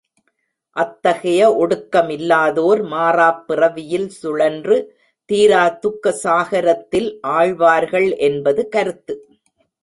அத்தகைய ஒடுக்கமில்லாதோர் மாறாப் பிறவியில் சுழன்று தீரா துக்க சாகரத்தில் ஆழ்வார்கள் என்பது கருத்து.